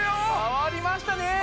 変わりましたね。